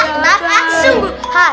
sungguh harus sabar